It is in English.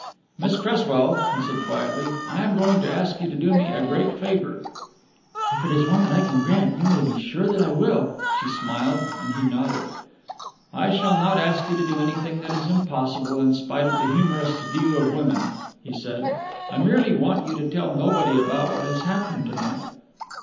"Miss Cresswell," he said quietly. "I am going to ask you to do me a great favour." "If it is one that I can grant, you may be sure that I will," she smiled, and he nodded. "I shall not ask you to do anything that is impossible in spite of the humorist's view of women," he said. "I merely want you to tell nobody about what has happened to night."